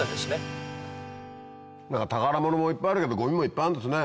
宝物もいっぱいあるけどゴミもいっぱいあるんですね。